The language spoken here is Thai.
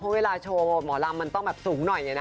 เพราะเวลาโชว์หมอลำมันต้องแบบสูงหน่อยนะ